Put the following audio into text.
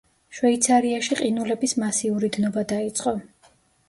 შვეიცარიაში ყინულების მასიური დნობა დაიწყო.